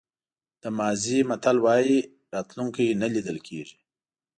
د مازی متل وایي راتلونکی نه لیدل کېږي.